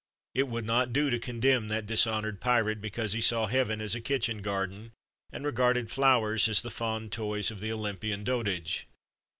It would not do to condemn that dishonoured pirate because he saw heaven as a kitchen garden and regarded flowers as the fond toys of ' the Olympian dotage.